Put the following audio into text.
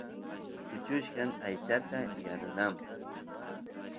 kuchuchkan aychata yanunapaq